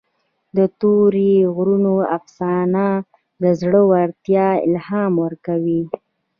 د تورې غرونو افسانه د زړه ورتیا الهام ورکوي.